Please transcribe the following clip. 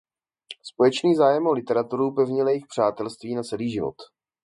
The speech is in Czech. Společný zájem o literaturu upevnil jejich přátelství na celý život.